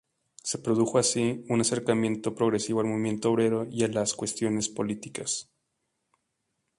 Se produjo así un acercamiento progresivo al movimiento obrero y a las cuestiones políticas.